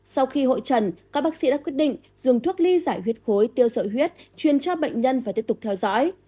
sau khi hội trần các bác sĩ đã quyết định dùng thuốc ly giải huyết khối tiêu sợi huyết chuyên cho bệnh nhân và tiếp tục theo dõi